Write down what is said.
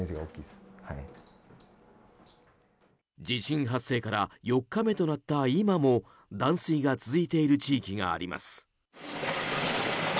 地震発生から４日目となった今も断水が続いている地域があります。